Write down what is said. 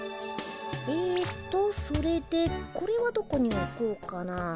えっとそれでこれはどこにおこうかな。